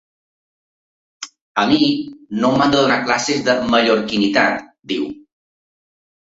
A mi no m’han de donar classes de mallorquinitat, diu.